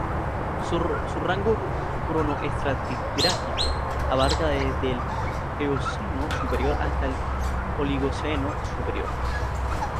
Su rango cronoestratigráfico abarca desde el Eoceno superior hasta el Oligoceno superior.